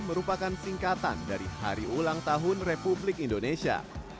merupakan singkatan dari hari ulang tahun republik indonesia